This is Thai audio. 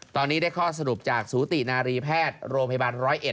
ตอนนี้ได้ข้อสรุปจากสูตินารีแพทย์โรงพยาบาล๑๐๑